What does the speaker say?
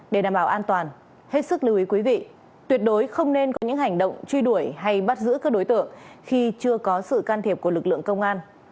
để đảm bảo an toàn hết sức lưu ý quý vị tuyệt đối không nên có những hành động truy đuổi hay bắt giữ các đối tượng khi chưa có sự can thiệp của lực lượng công an